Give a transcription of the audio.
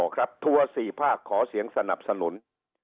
ครับทัวร์๔ภาคขอเสียงสนับสนุน